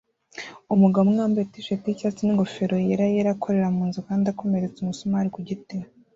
Umugabo umwe wambaye t-shati yicyatsi ningofero yera yera akorera munzu kandi akomeretsa umusumari ku giti